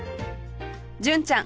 純ちゃん